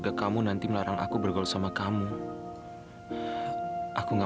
saat kerja jangan melemahkannya